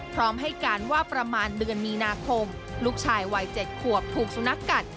พร้อมให้การว่าประมาณเดือนมีนาคมลูกชายวัย๗ขวบถูกสุนัขกัด